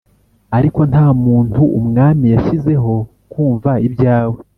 ariko nta muntu umwami yashyizeho kumva ibyawe.